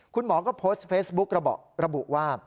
คุณหมอก็โพสต์เฟซบุ๊กระบุว่า